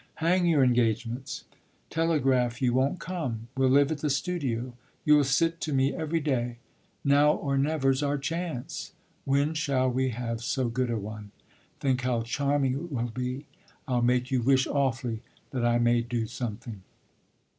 Hang your engagements! Telegraph you won't come. We'll live at the studio you'll sit to me every day. Now or never's our chance when shall we have so good a one? Think how charming it will be! I'll make you wish awfully that I may do something."